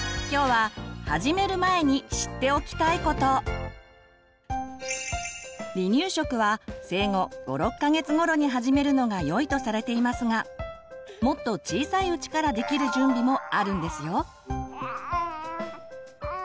今日は離乳食は生後５６か月頃に始めるのがよいとされていますがもっと小さいうちからできる準備もあるんですよ。